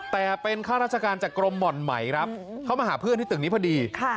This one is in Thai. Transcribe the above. แต่เป็นข้าราชการจากกรมหม่อนใหม่ครับเข้ามาหาเพื่อนที่ตึกนี้พอดี